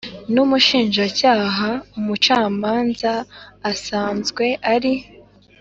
n Umushinjacyaha umucamanza asanze ari